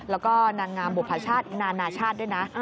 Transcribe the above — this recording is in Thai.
แล้วก็นางงามบุพชาตินานาชาติด้วยนะ